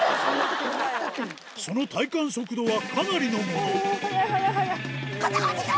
その体感速度はかなりのものおぉ！